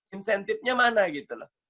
incentive nya mana gitu loh